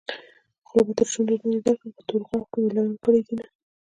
خوله به تر شونډو لاندې درکړم په تورو غاښو مې لونګ کرلي دينه